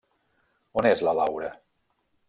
On és la Laura?